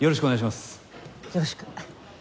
よろしく。